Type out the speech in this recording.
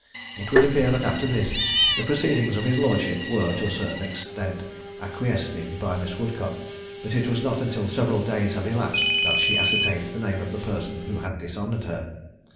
It would appear that after this the proceedings of his lordship were, to a certain extent, acquiesced in by Miss Woodcock; but it was not until several days had elapsed that she ascertained the name of the person who had dishonoured her.